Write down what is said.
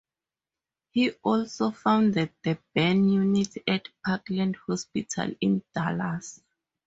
He also founded the burn unit at Parkland hospital in Dallas.